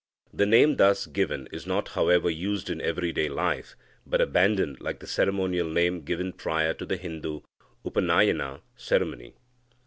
The name thus given is not, however, used in every day life, but abandoned like the ceremonial name given prior to the Hindu upanayana ceremony.